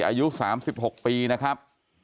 อายุ๓๖ปีนะครับ